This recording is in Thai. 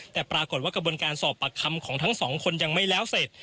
แต่ปรากฏว่ากระบวนการสอบปากคำของทั้งสองคนยังไม่แล้วเสร็จ